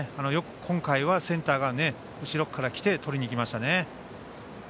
今回はセンターが後ろから来てとりにいきましたね。